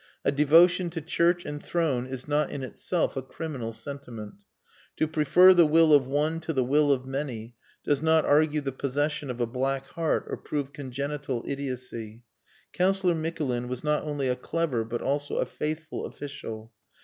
A devotion to Church and Throne is not in itself a criminal sentiment; to prefer the will of one to the will of many does not argue the possession of a black heart or prove congenital idiocy. Councillor Mikulin was not only a clever but also a faithful official.